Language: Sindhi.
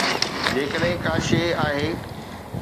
جيڪڏهن ڪا شيءِ آهي.